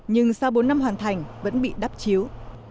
nhưng sau bốn năm hoàn thành vẫn bị đắp chiếu